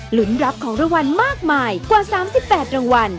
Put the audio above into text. ลุ้นรับของรางวัลมากมายกว่า๓๘รางวัล